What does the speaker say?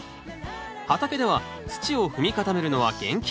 畑では土を踏み固めるのは厳禁。